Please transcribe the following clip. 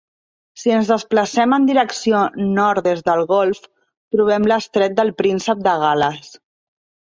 Si ens desplacem en direcció nord des del golf, trobem l'estret del Príncep de Gal·les.